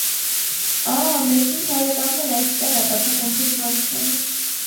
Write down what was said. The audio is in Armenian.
- Ա՜, մեր հին բարեկամն էլ այստեղ է,- բացականչեց Մարությանը: